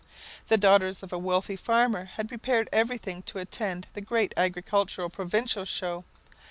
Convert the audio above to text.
The daughters of a wealthy farmer had prepared everything to attend the great agricultural provincial show.